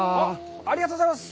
ありがとうございます。